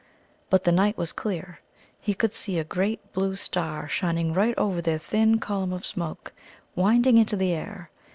But the night was clear. He could see a great blue star shining right over their thin column of smoke, winding into the air.